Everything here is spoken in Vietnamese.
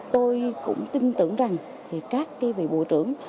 tôi cũng tin tưởng rằng các vị bộ trưởng